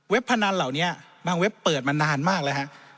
เว็บพนันเหล่านี้บางเว็บเปิดมานานมากเลยครับ